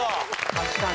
確かに。